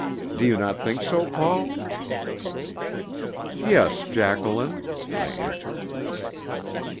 Do you not think so, Paul?" "Yes, Jacqueline," I answered.